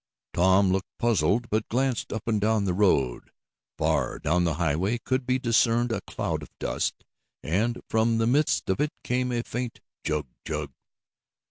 Tom looked puzzled, but glanced up and down the road. Far down the highway could be discerned a cloud of dust, and, from the midst of it came a faint "chug chug."